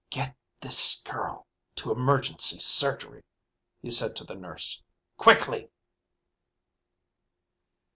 "Get this girl to emergency surgery," he said to the nurse. "Quickly!"